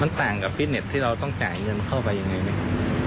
มันต่างกับฟิตเน็ตที่เราต้องจ่ายเงินเข้าไปยังไงไหมครับ